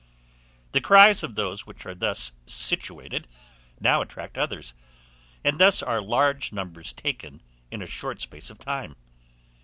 The cries of those which are thus situated now attract others, and thus are large numbers taken in a short space of time.